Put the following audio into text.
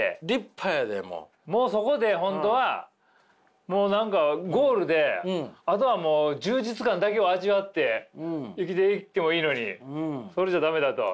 もうそこで本当はもう何かゴールであとはもう充実感だけを味わって生きていってもいいのにそれじゃ駄目だと。